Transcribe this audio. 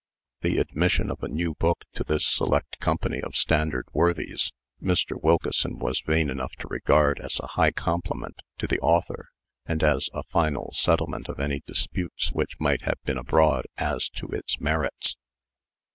The admission of a new book to this select company of standard worthies, Mr. Wilkeson was vain enough to regard as a high compliment to the author, and as a final settlement of any disputes which might have been abroad as to its merits.